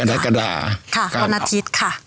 วันอาทิตย์ค่ะ